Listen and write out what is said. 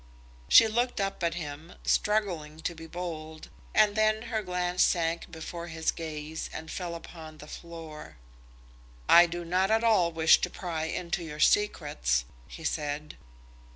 She looked up at him, struggling to be bold, and then her glance sank before his gaze and fell upon the floor. "I do not at all wish to pry into your secrets," he said.